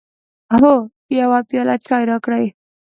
هو، یو پیاله چای راکړئ